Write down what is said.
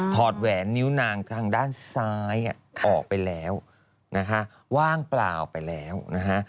อดแหวนนิ้วนางทางด้านซ้ายออกไปแล้วนะคะว่างเปล่าไปแล้วนะฮะ